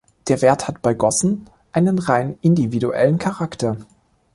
Der Wert hat bei Gossen einen rein individuellen Charakter.